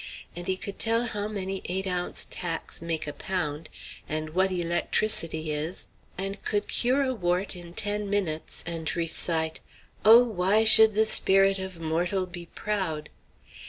And he could tell how many eight ounce tacks make a pound, and what electricity is, and could cure a wart in ten minutes, and recite "Oh! why should the spirit of mortal be proud?"